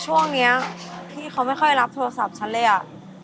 ช่วงนี้พี่เค้าไม่รับโทรศัพท์จริง